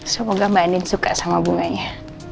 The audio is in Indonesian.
semoga mbak eni suka sama bunganya